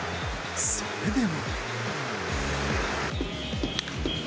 それでも。